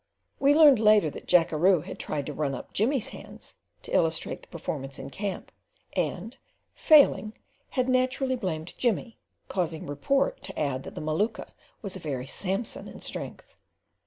We learned later that Jackeroo had tried to run up Jimmy's hands to illustrate the performance in camp, and, failing, had naturally blamed Jimmy, causing report to add that the Maluka was a very Samson in strength.